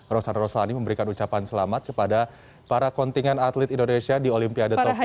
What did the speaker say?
rosana roslani memberikan ucapan selamat kepada para kontinen atlet indonesia di olimpiade tokyo dua ribu dua puluh